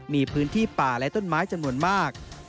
มีพื้นที่ป่าและต้นไม้จำนวนมาก